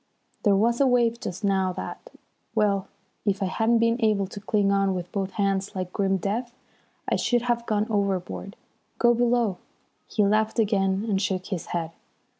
"There was a wave just now that well, if I hadn't been able to cling on with both hands like grim death, I should have gone overboard. Go below." He laughed again and shook his head.